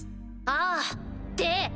ああって！